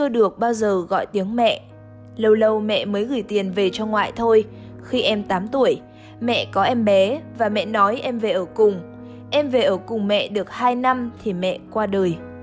đầu cùng mẹ được hai năm thì mẹ qua đời